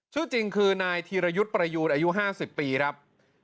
ชื่อจริงคือนายธีรยุทธ์ประยูนอายุ๕๐ปีครับ